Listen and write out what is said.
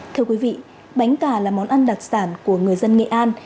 thưa quý vị bánh cà là món ăn đặc sản của người dân nghệ an